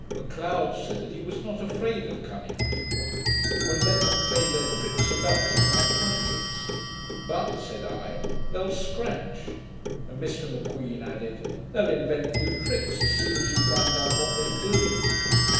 M'Leod said that he was not afraid of cunning people; but would let them play their tricks about him like monkeys. 'But,' said I, 'they scratch'; and Mr M'Queen added, 'they'll invent new tricks, as soon as you find out what they do.'